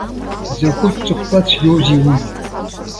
Закәытә ҵыхәтәа цәгьоузеи уи!